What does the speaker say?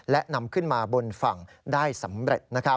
และนำขึ้นมาบนฝั่งได้สำเร็จ